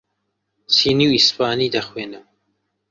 چینی و ئیسپانی دەخوێنم.